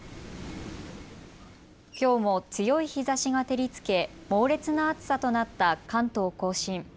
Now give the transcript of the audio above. きょうも強い日ざしが照りつけ猛烈な暑さとなった関東甲信。